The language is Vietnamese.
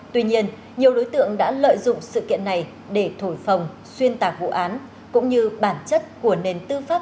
tuy nhiên nhiều đối tượng đã lợi dụng sự kiện này để thổi phòng xuyên tạc vụ án cũng như bản chất của nền tư pháp